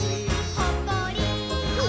ほっこり。